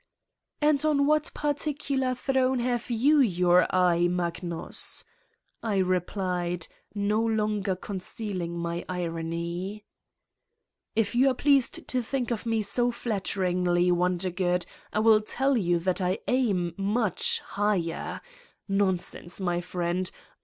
'' And on what particular throne have you your eye, Magnus?" I replied, no longer concealing my irony. "If you are pleased to think of me so flatter ingly, Wondergood, I will tell you that I aim much higher. Nonsense, my friend!